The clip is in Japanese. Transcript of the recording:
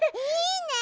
いいね！